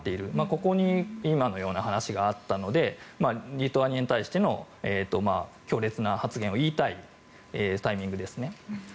ここに今のような話があったのでリトアニアに対しての強烈な発言を言いたいタイミングですね。